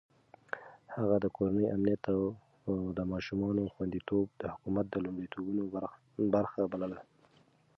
هغه د کورنۍ امنيت او د ماشومانو خونديتوب د حکومت د لومړيتوبونو برخه بلله.